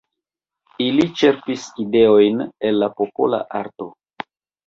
Ili ĉerpis ideojn el la popola arto.